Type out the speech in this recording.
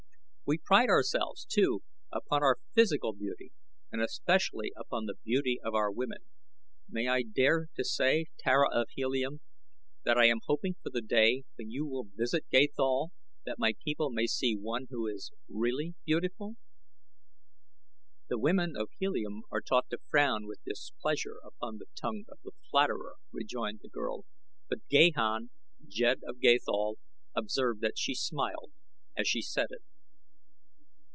We pride ourselves, too, upon our physical beauty, and especially upon the beauty of our women. May I dare to say, Tara of Helium, that I am hoping for the day when you will visit Gathol that my people may see one who is really beautiful?" "The women of Helium are taught to frown with displeasure upon the tongue of the flatterer," rejoined the girl, but Gahan, Jed of Gathol, observed that she smiled as she said it.